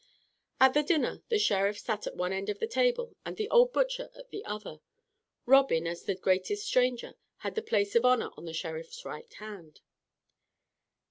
At dinner the Sheriff sat at one end of the table and the old butcher at the other. Robin, as the greatest stranger, had the place of honor on the Sheriff's right hand.